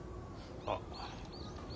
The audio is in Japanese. あっ。